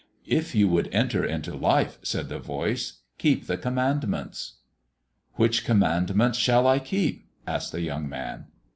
"If you would enter into life," said the Voice, "keep the Commandments." "Which Commandments shall I keep?" asked the young man.